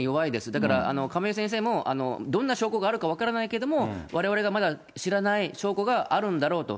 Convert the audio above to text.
だから亀井先生も、どんな証拠があるか分からないけども、われわれがまだ知らない証拠があるんだろうと。